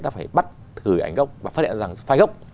ta phải bắt gửi ảnh gốc và phát hiện ra là phải gốc